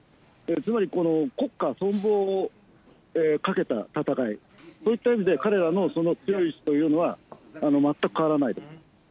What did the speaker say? つまり、この国家存亡をかけた戦い、そういった意味で彼らの強い意志というのは、全く変わらないと。